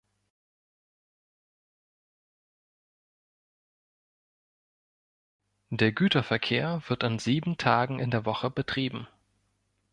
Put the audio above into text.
Der Güterverkehr wird an sieben Tagen in der Woche betrieben.